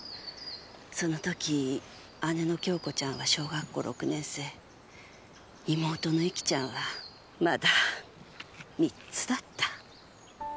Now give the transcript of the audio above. その時姉の杏子ちゃんは小学校６年生妹の由起ちゃんはまだ三つだった。